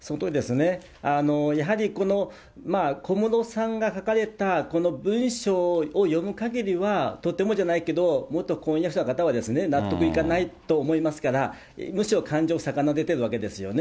やはり、小室さんが書かれたこの文書を読むかぎりは、とてもじゃないけど、元婚約者の方は納得いかないと思いますから、むしろ感情を逆なでてるわけですよね。